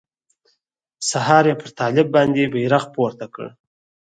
سهار يې پر طالب باندې بيرغ پورته کړ.